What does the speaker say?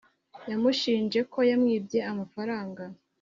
yamushinje ko yamwibye amafaranga